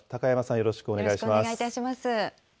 よろしくお願いします。